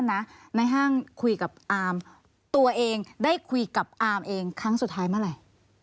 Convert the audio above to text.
ในห้างคุยกับอาร์มตัวเองได้คุยกับอาร์มเองครั้งสุดท้ายเมื่อไหร่